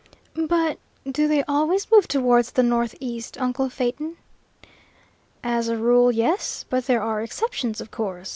"But, do they always move towards the northeast, uncle Phaeton?" "As a rule, yes; but there are exceptions, of course.